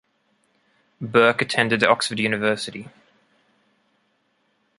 Burke attended Oxford University.